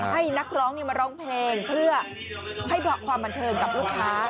ให้นักร้องมาร้องเพลงเพื่อให้ความบันเทิงกับลูกค้า